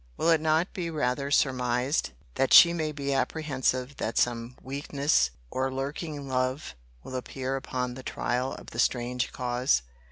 Will it not be rather surmised, that she may be apprehensive that some weakness, or lurking love, will appear upon the trial of the strange cause?